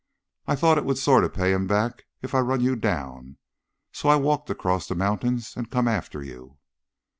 I thought it would sort of pay him back if I run you down. So I walked across the mountains and come after you."